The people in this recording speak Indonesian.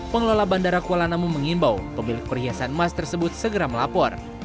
pengelola bandara kuala namu mengimbau pemilik perhiasan emas tersebut segera melapor